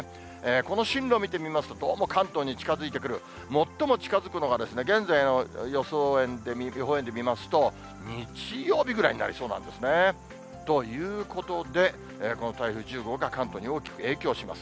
この進路見てみますと、どうも関東に近づいてくる、最も近づくのが、現在の予報円で見ますと、日曜日ぐらいになりそうなんですね。ということで、この台風１０号が関東に大きく影響します。